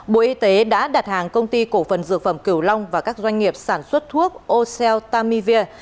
bộ y tế đã đặt hàng công ty cổ phần dược phẩm cửu long và các doanh nghiệp sản xuất thuốc ocell tamivir